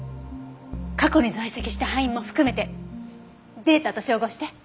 過去に在籍した班員も含めてデータと照合して。